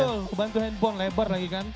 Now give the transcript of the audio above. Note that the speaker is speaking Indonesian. betul bantu handphone lebar lagi kan